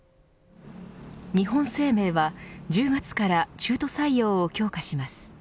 日本生命は１０月から中途採用を強化します。